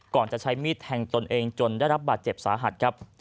จะใช้มีดแทงตนเองจนได้รับบาดเจ็บสาหัสครับ